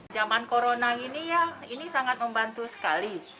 zaman corona ini sangat membantu sekali